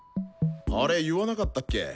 あれ言わなかったっけ？